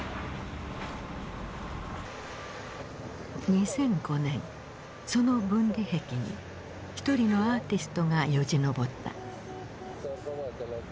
２００５年その分離壁に一人のアーティストがよじ登った。